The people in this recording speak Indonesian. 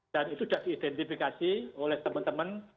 dan itu sudah diidentifikasi oleh teman teman